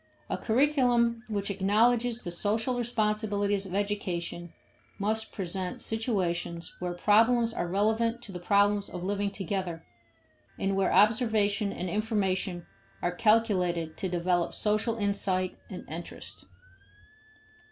A curriculum which acknowledges the social responsibilities of education must present situations where problems are relevant to the problems of living together, and where observation and information are calculated to develop social insight and interest.